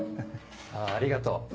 あぁありがとう。